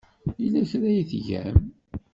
Yella kra ay tgam?